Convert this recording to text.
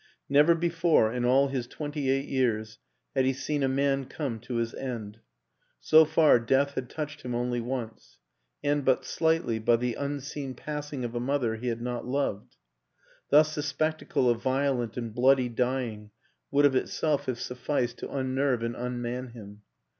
Never before, in all his twenty eight years, had he seen a man come to his end; so far death had touched him only once, and but slightly, by the unseen passing of a mother he had not loved; thus the spectacle of violent and bloody dying would of itself have sufficed to un nerve and unman him.